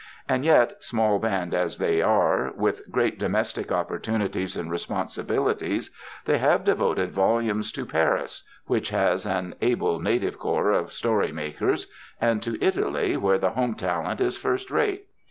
And yet, small band as they are, with great domestic opportunities and responsibilities, they have devoted volumes to Paris, which has an able native corps of story makers, and to Italy, where the home talent is first rate.